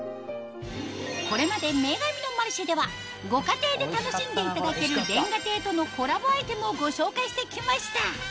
これまで『女神のマルシェ』ではご家庭で楽しんでいただける煉瓦亭とのコラボアイテムをご紹介して来ました